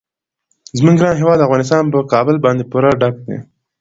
زموږ ګران هیواد افغانستان په کابل باندې پوره ډک دی.